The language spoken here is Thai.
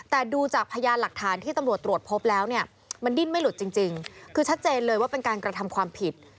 แต่ดูจากพยานหลักฐานที่ตำรวจตรวจพบแล้วเนี่ยมันดิ้นไม่หลุดจริงคือชัดเจนเลยว่าเป็นการกระทำความผิด